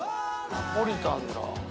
ナポリタンだ。